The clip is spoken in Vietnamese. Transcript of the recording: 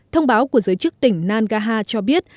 thông báo của giới chức tỉnh nagaha cho biết